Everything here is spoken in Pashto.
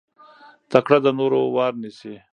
تکړه د نورو وار نيسي.